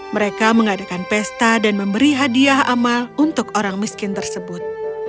mereka mengadakan pesta dan memberi hadiah amal untuk orang miskin tersebut